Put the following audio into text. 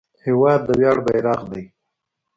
هېواد د ویاړ بیرغ دی.